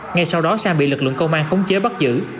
ngay sau đó sang bị lực lượng công an khống chế bắt giữ